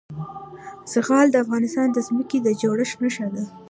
زغال د افغانستان د ځمکې د جوړښت نښه ده.